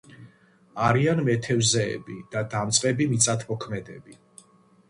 არიან მეთევზეები და დამწყები მიწათმოქმედები.